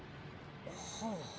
はあ。